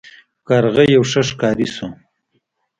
کارغه یو ښه ښکاري شو.